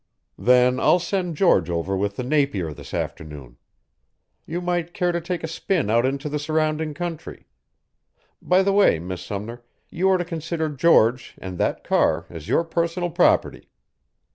"Then I'll send George over with the Napier this afternoon. You might care to take a spin out into the surrounding country. By the way, Miss Sumner, you are to consider George and that car as your personal property.